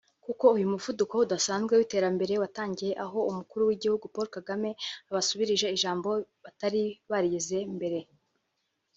kuko uyu muvuduko udasanzwe w’iterambere watangiye aho Umukuru w’igihugu Paul Kagame abasubirije ijambo batari barigeze mbere